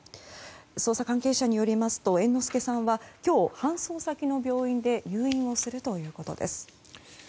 捜査関係者によりますと猿之助さんは今日、搬送先の病院で入院をするということです。